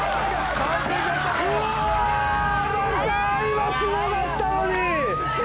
今すごかったのに。